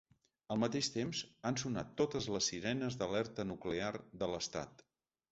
Al mateix temps han sonat totes les sirenes d’alerta nuclear de l’estat.